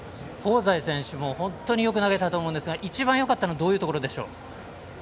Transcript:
香西選手も本当によく投げたと思いますが一番よかったのはどういうところでしょう？